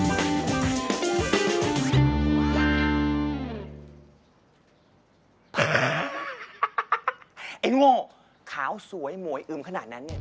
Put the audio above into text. ไอ้โง่ขาวสวยโหมยอึมขนาดนั้น